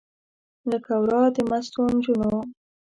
لکه ورا د مستو نجونو